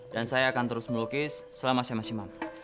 dan saya akan terus melukis selama saya masih mampu